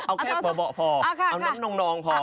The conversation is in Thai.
เอาแค่เบาะพอเอาน้ำนองนองพอ